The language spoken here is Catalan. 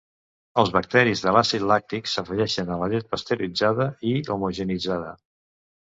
Els bacteris de l'àcid làctic s'afegeixen a la llet pasteuritzada i homogeneïtzada.